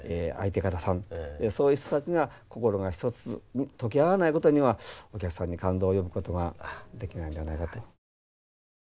そういう人たちが心が一つに溶け合わないことにはお客さんに感動を呼ぶことはできないのではないかと。